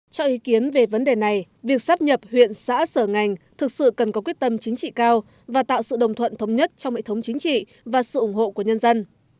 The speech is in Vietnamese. cho ý kiến về vấn đề này việc sắp nhập huyện xã sở ngành thực sự cần có quyết tâm chính trị cao và tạo sự đồng thuận thống nhất trong hệ thống chính trị và sự ủng hộ của nhân dân